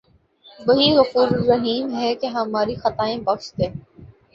وہی غفورالرحیم ہے کہ ہماری خطائیں بخش دے